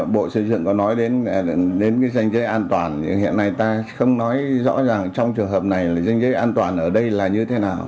bộ sở trưởng có nói đến danh chế an toàn hiện nay ta không nói rõ ràng trong trường hợp này danh chế an toàn ở đây là như thế nào